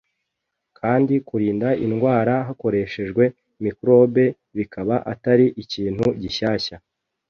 kandi kurinda indwara hakoreshejwe microbe bikaba atari ikintu gishyashya.